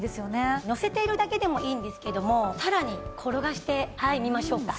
のせているだけでもいいんですけどもさらに転がしてみましょうか。